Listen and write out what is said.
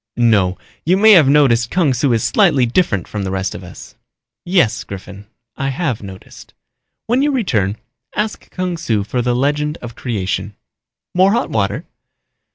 "No, you may have noticed Kung Su is slightly different from the rest of us." "Yes, Griffin, I have noticed. When you return ask Kung Su for the legend of creation. More hot water?"